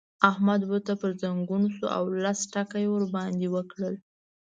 احمد ورته پر ځنګون شو او لس ټکه يې ور باندې وکړل.